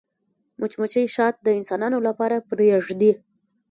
مچمچۍ شات د انسانانو لپاره پرېږدي